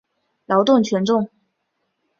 劳动群众。